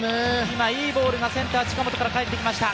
今いいボールがセンター・近本から返ってきました。